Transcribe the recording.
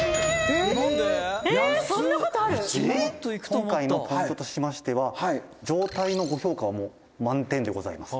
「今回のポイントとしましては状態のご評価は満点でございます」